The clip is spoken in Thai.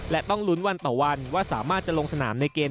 และต้องลุ้นวันต่อวันว่าสามารถจะลงสนามในเกม